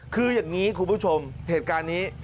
คืออย่างนี้คุณผู้ชมเหตุการณ์นี้